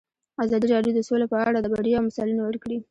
ازادي راډیو د سوله په اړه د بریاوو مثالونه ورکړي.